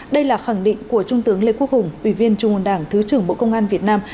đây là khẳng định của trung tướng lê quốc hùng ủy viên trung ương đảng thứ trưởng bộ công an việt nam